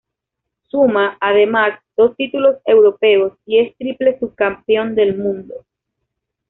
Suma, además, dos títulos europeos y es triple subcampeón del mundo.